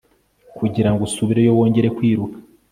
kugirango usubireyo wongeye kwiruka